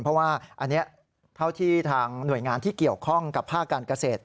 เพราะว่าอันนี้เท่าที่ทางหน่วยงานที่เกี่ยวข้องกับภาคการเกษตร